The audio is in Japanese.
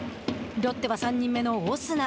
ロッテは３人目のオスナ。